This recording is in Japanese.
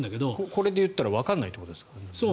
これで言ったらわからないということですからね。